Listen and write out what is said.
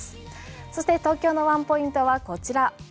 そして東京のワンポイントはこちら。